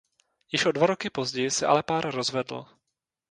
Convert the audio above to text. Již o dva roky později se ale pár rozvedl.